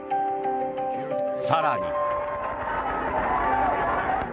更に。